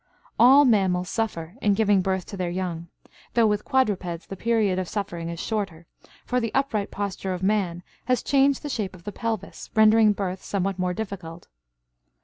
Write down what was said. All mammals suffer in giving birth to their young, though with quadrupeds the period of suffering is shorter, for the upright posture of man has changed the shape of the pelvis, rendering birth somewhat more difficult.